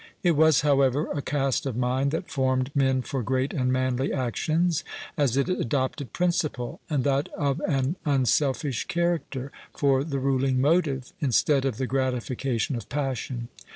It was, however, a cast of mind that formed men for great and manly actions, as it adopted principle, and that of an unselfish character, for the ruling motive, instead of the gratification of passion.